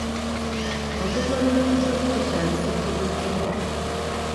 Okugolola ensobi kikyali kizibu kyo.